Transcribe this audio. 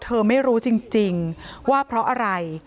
เธอไม่รู้จริงว่าเพราะอะไร